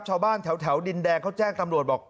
ชาวบ้านแถวดินแดงเขาแจ้งตำรวจบอก